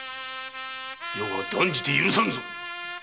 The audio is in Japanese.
余は断じて許さんぞ！